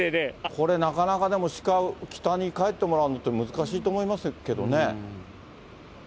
これなかなかでも、鹿に北に帰ってもらうのって難しいと思いますけどね。